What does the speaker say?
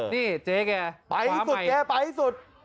นี่เจ๊แกไปที่สุดแกไปให้สุด